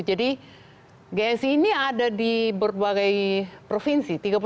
jadi gsi ini ada di berbagai provinsi